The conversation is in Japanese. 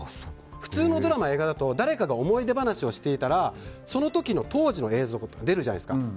普通のドラマや映画だと誰かが思い出話をしていたらその当時の映像が出るじゃないですか。